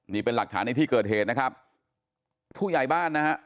นี่เป็นหลักฐานในที่เกิดเหตุนะครับผู้ใหญ่บ้านนะฮะ